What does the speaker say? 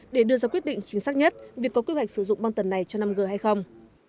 để đưa ra quyết định chính xác nhất việc có quy hoạch sử dụng băng tần này cho năm g hay không